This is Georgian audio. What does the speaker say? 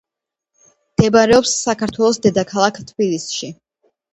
მდებარეობს საქართველოს დედაქალაქ თბილისში.